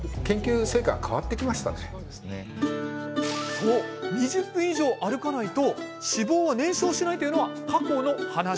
そう、２０分以上歩かないと脂肪は燃焼しないというのは過去の話。